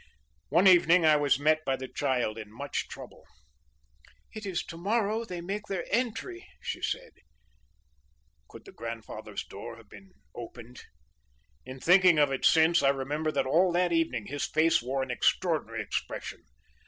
"One evening I was met by the child in much trouble."'It is to morrow they make their entry,' she said."Could the grandfather's door have been opened? In thinking of it since, I remember that all that evening his face wore an extraordinary expression.